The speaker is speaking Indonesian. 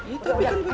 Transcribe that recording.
itu bikin gue